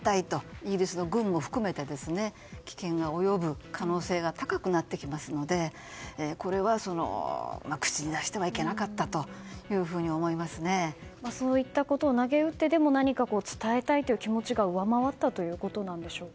イギリスの軍も含めて危険が及ぶ可能性が高くなってきますのでこれは口に出してはいけなかったというふうにそういったことを投げ打ってでも何か伝えたいという気持ちが上回ったということなんでしょうか。